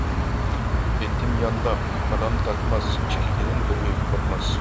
ئېتىم يانداق، كالام تارتماس، ئىككى كېلىن بىر ئۆيگە پاتماس.